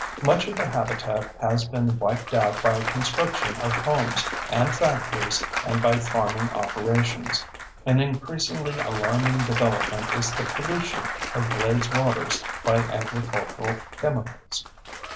Much of the habitat has been wiped out by construction of homes and factories and by farming operations. An increasingly alarming development is the pollution of glades waters by agricultural chemicals.